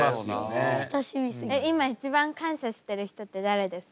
えっ今一番感謝してる人って誰ですか？